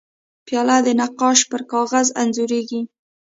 پیاله د نقاش پر کاغذ انځورېږي.